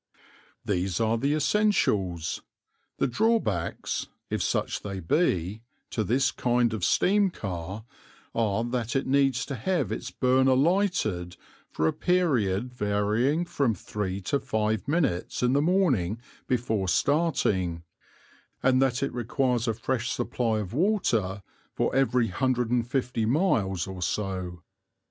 These are the essentials. The drawbacks, if such they be, to this kind of steam car are that it needs to have its burner lighted for a period varying from three to five minutes in the morning before starting, and that it requires a fresh supply of water for every 150 miles or so.